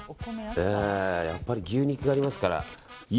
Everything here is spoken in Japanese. やっぱり牛肉がありますから。